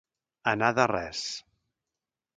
Anar de res.